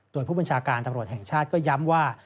โดยผู้บัญชาการตำรวจแห่งชาติก็ย้ำว่า